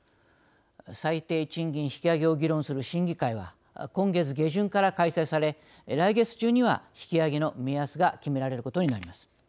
最低賃金引き上げを議論する審議会は今月下旬から開催され来月中には引き上げの目安が決められることになります。